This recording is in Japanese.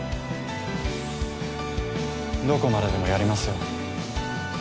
どこまででもやりますよ。